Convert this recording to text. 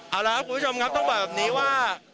เอาละครับคุณผู้ชมครับต้องบอกแบบนี้ว่า